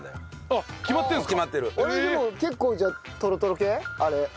あれでも結構じゃあトロトロ系？あれ。